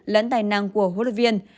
lẫn tài năng của hỗ trợ viên